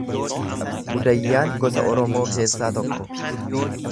Gudayyaan gosa Oromoo keessaa tokko.